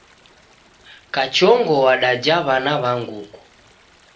Kachongo w'adaja w'ana wa nguku